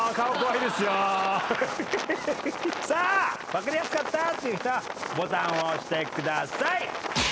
分かりやすかったっていう人はボタンを押してください。